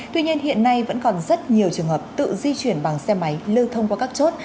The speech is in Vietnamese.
tuy nhiên hiện nay vẫn còn rất nhiều trường hợp tự di chuyển bằng xe máy lưu thông qua các chốt